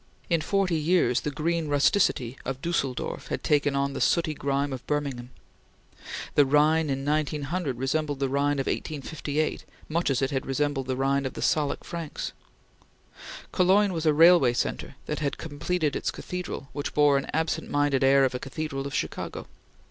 In forty years, the green rusticity of Dusseldorf had taken on the sooty grime of Birmingham. The Rhine in 1900 resembled the Rhine of 1858 much as it resembled the Rhine of the Salic Franks. Cologne was a railway centre that had completed its cathedral which bore an absent minded air of a cathedral of Chicago.